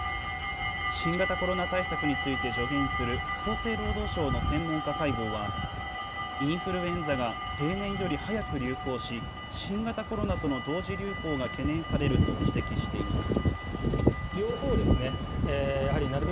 新型コロナ対策について助言する厚生労働省の専門家会合はインフルエンザが例年より早く流行し新型コロナとの同時流行が懸念されると指摘しています。